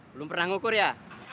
belum pernah ngukur ya